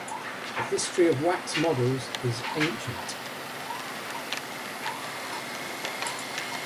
The history of wax models is ancient.